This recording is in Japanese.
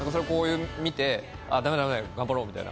見て、だめだだめだ、頑張ろうみたいな。